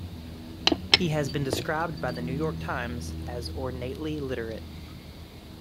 He has been described by The New York Times as ornately literate.